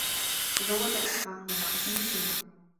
تزوّج إسحاق بامرأة مسلمة.